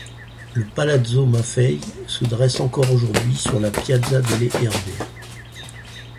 Le Palazzo Maffei se dresse encore aujourd'hui sur la Piazza delle Erbe.